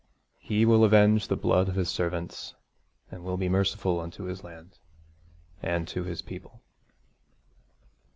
'He will avenge the blood of his servants, and will be merciful unto his land, and to his people.'